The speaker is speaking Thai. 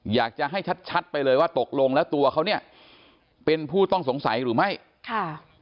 อยากจะให้ชัดชัดไปเลยว่าตกลงแล้วตัวเขาเนี่ยเป็นผู้ต้องสงสัยหรือไม่ค่ะ